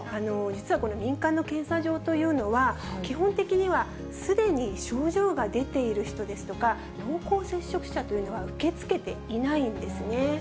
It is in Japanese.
実はこの民間の検査場というのは、基本的にはすでに症状が出ている人ですとか、濃厚接触者というのは受け付けていないんですね。